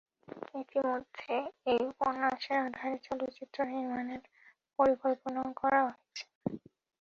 ইতিমধ্যে এই উপন্যাসের আধারে চলচ্চিত্র নির্মানের পরিকল্পনাও করা হয়েছে।